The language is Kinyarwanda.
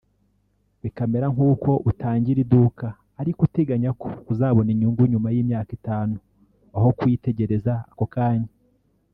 bikamera nk’uko ‘utangira iduka ariko uteganya ko uzabona inyungu nyuma y’imyaka itanu’ aho kuyitegereza ako kanya